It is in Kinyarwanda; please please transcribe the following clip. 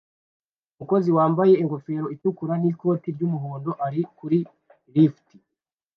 Umukozi wambaye ingofero itukura n'ikoti ry'umuhondo ari kuri lift